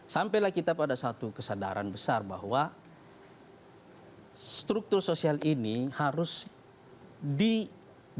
sampailah kita pada satu kesadaran besar bahwa struktur sosial ini harus diberikan